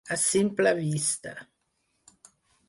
A simple vista.